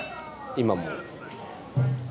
今も。